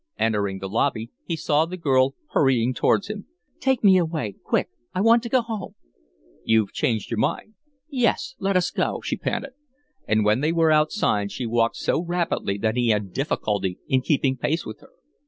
Entering the lobby, he saw the girl hurrying towards him. "Take me away, quick! I want to go home." "You've changed your mind?"' "Yes, let us go," she panted, and when they were outside she walked so rapidly that he had difficulty in keeping pace with her.